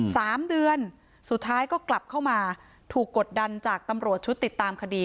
สามเดือนสุดท้ายก็กลับเข้ามาถูกกดดันจากตำรวจชุดติดตามคดี